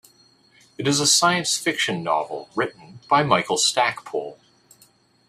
It is a science fiction novel written by Michael Stackpole.